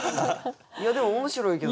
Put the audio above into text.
いやでも面白いけどな。